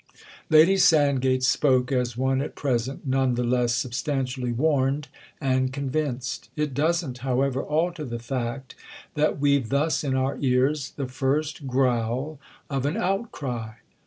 Lady Sandgate spoke as one at present none the less substantially warned and convinced. "It doesn't, however, alter the fact that we've thus in our ears the first growl of an outcry."